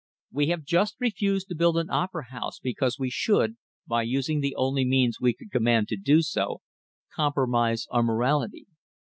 We have just refused to build an opera house because we should, by using the only means we could command to do so, compromise our morality.